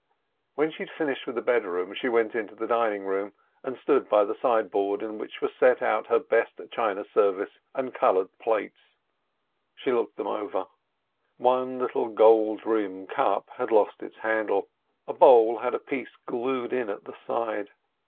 When she had finished with the bedroom, she went into the dining room, and stood by the sideboard on which were set out her best china service and colored plates. She looked them over. One little gold rimmed cup had lost its handle, a bowl had a piece glued in at the side.